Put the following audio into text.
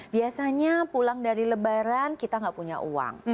biasanya pulang dari lebaran kita nggak punya uang